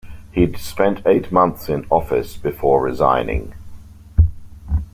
He'd spent eight months in office before resigning.